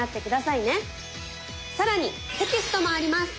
更にテキストもあります。